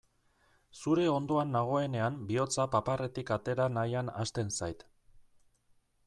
Zure ondoan nagoenean bihotza paparretik atera nahian hasten zait.